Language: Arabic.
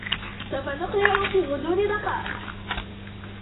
سوف نُقلع في غضون دقائق.